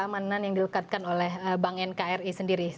keamanan yang dilekatkan oleh bank nkri sendiri